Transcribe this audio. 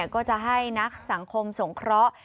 ก็จะให้นักสังคมสงเคราะห์